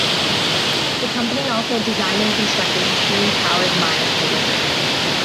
The company also designed and constructed steam powered mine cable hoists.